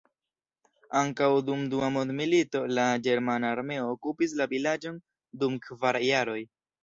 Ankaŭ dum dua mondmilito la ĝermana armeo okupis la vilaĝon dum kvar jaroj.